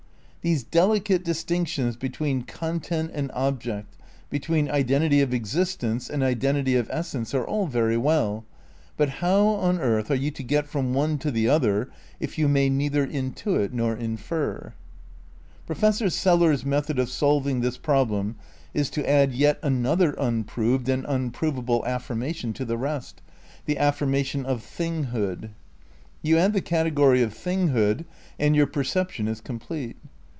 These delicate distinctions between content and object, be tween identity of existence and identity of essence are all very well, but how on earth are you to get from one to the other if you may neither intuit nor infer? Professor Sellars's method of solving this problem is to add yet another unproved and unprovable affirma tion to the rest: the affirmation of " thinghood. " You add the category of thinghood and your perception is complete.